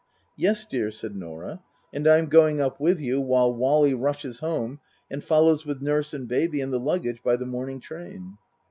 " Yes, dear," said Norah. " And I'm going up with you while Wally rushes home and follows with Nurse and Baby and the luggage by the morning train."